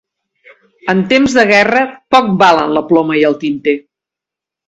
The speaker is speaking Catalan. En temps de guerra poc valen la ploma i el tinter.